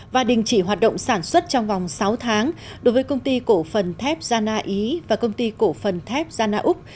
và đình chỉ hoạt động sản xuất trong vòng sáu tháng đối với công ty cổ phần thép gia na ý và công ty cổ phần thép gia na úc